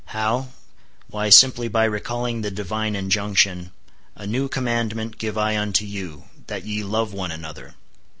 How? Why, simply by recalling the divine injunction: "A new commandment give I unto you, that ye love one another."